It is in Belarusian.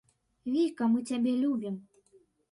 Віка мы цябе любім!